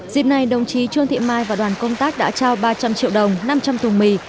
dịp này đồng chí trương thị mai và đoàn công tác đã trao ba trăm linh triệu đồng năm trăm linh thùng mì